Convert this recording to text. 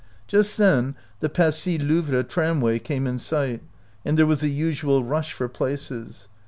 Just then the Passy Louvre tramway came in sight, and there was the usual rush for places.